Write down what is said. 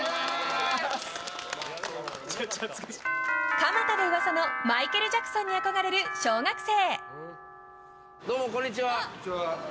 蒲田で噂のマイケル・ジャクソンに憧れる小学生。